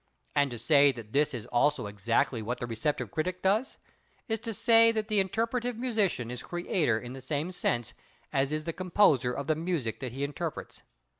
And to say that this is also exactly what the recreative critic does, is to say that the interpretative musician is creator in the same sense as is the composer of the music that he interprets.